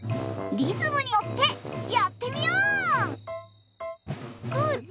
リズムにのってやってみよう！